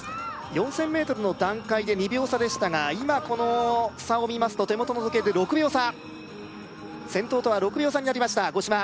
４０００ｍの段階で２秒差でしたが今この差を見ますと手元の時計で６秒差先頭とは６秒差になりました五島